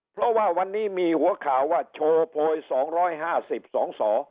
เพราะว่าวันนี้มีหัวข่าวว่าโชว์โพย๒๕๐๒สอ